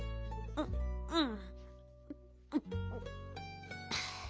ううん。